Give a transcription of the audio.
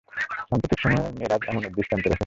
সাম্প্রতিক সময়ে মেরাজ এমন দৃষ্টান্ত রেখেছেন।